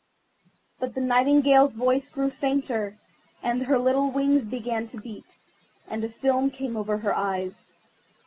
But the Nightingale's voice grew fainter, and her little wings began to beat, and a film came over her eyes.